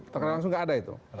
tekanan langsung nggak ada itu